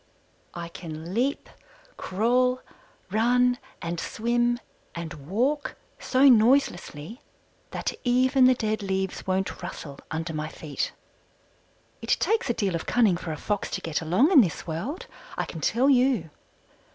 I can leap, crawl, run, and swim, and walk so noiselessly that even the dead leaves won't rustle under my feet. It takes a deal of cunning for a Fox to get along in this world, I can tell you.